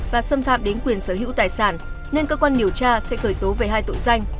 và xâm phạm đến quyền sở hữu tài sản nên cơ quan điều tra sẽ khởi tố về hai tội danh